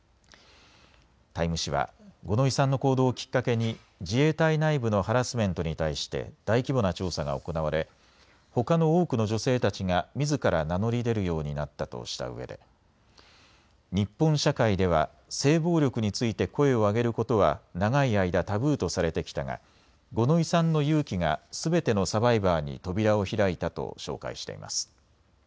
タイム誌は五ノ井さんの行動をきっかけに自衛隊内部のハラスメントに対して大規模な調査が行われほかの多くの女性たちがみずから名乗り出るようになったとしたうえで、日本社会では性暴力について声を上げることは長い間、タブーとされてきたが五ノ井さんの勇気がすべてのサバイバーに扉を開いたと紹介しています。